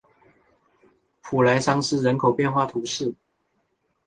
普莱桑斯人口变化图示